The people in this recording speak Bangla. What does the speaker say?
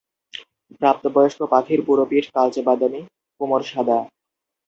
প্রাপ্তবয়স্ক পাখির পুরো পিঠ কালচে বাদামি, কোমর সাদা।